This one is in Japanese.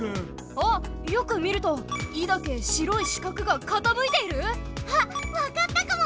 あっよく見ると「イ」だけ白い四角がかたむいている⁉あっわかったかも！